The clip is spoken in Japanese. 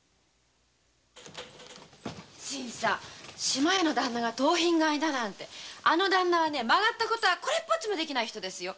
嶋屋のダンナが「盗品買い」だなんてあのダンナは曲がった事はこれっぽっちもできない人ですよ。